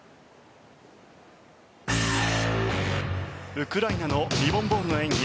ウクライナのリボン・ボールの演技